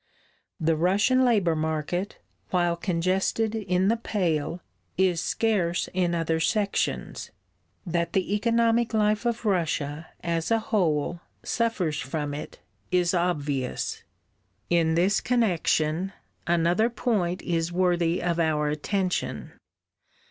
The Russian labour market, while congested in the Pale, is scarce in other sections. That the economic life of Russia, as a whole, suffers from it is obvious. In this connection, another point is worthy of our attention.